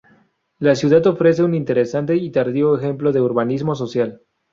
La ciudad ofrece un interesante y tardío ejemplo de urbanismo socialista.